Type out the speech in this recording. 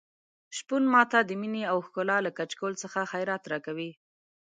شپون ماته د مينې او ښکلا له کچکول څخه خیرات راکوي.